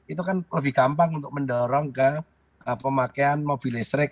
itu kan lebih gampang untuk mendorong ke pemakaian mobil listrik